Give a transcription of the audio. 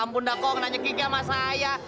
ampun dah kong nanya kiki sama saya